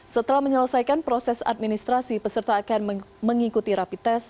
setelah menyelesaikan proses administrasi peserta akan mengikuti rapi tes